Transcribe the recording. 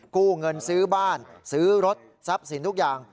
กู้เงินซื้อบ้านซื้อรถทรัพย์สินทุกอย่าง